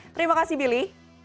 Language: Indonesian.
terima kasih bili